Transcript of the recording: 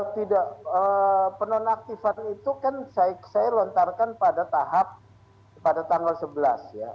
tidak penonaktifan itu kan saya lontarkan pada tahap pada tanggal sebelas ya